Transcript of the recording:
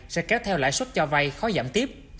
sẽ kéo theo lãi suất cho vay khó giảm tiếp